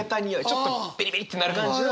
ちょっとビリビリってなる感じの。